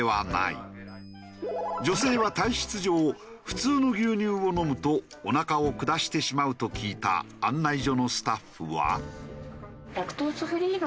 女性は体質上普通の牛乳を飲むとおなかを下してしまうと聞いた案内所のスタッフは。